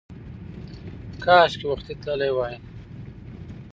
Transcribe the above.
کاشکې وختي تللی وای!